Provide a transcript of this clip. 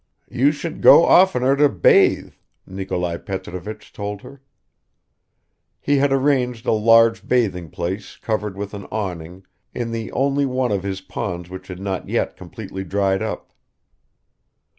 "You should go oftener to bathe," Nikolai Petrovich told her. He had arranged a large bathing place covered with an awning in the only one of his ponds which had not yet completely dried up.